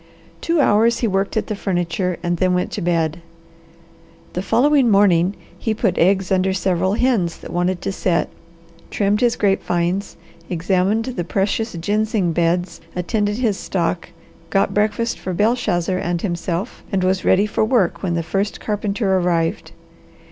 Two hours he worked at the furniture, and then went to bed. The following morning he put eggs under several hens that wanted to set, trimmed his grape vines, examined the precious ginseng beds, attended his stock, got breakfast for Belshazzar and himself, and was ready for work when the first carpenter arrived.